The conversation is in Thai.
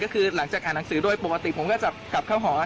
ก็คือหลังจากอ่านหนังสือด้วยปกติผมก็จะกลับเข้าหอ